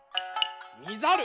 みざる。